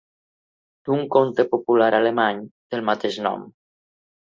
D'un conte popular alemany del mateix nom.